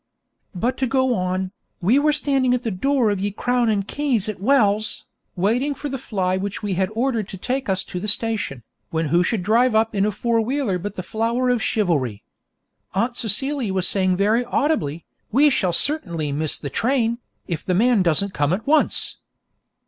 But to go on, we were standing at the door of Ye Crowne and Keys at Wells, waiting for the fly which we had ordered to take us to the station, when who should drive up in a four wheeler but the flower of chivalry. Aunt Celia was saying very audibly, 'We shall certainly miss the train, if the man doesn't come at once.'